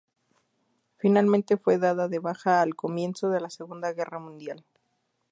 Finalmente fue dado de baja al comienzo de la Segunda Guerra Mundial.